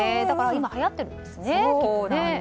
だから今、はやってるんですね。